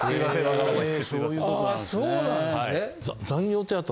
あそうなんですね。